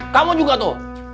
kamu juga tuh